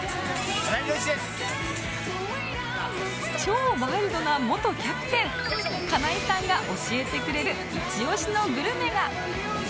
超ワイルドな元キャプテン金井さんが教えてくれるイチオシのグルメが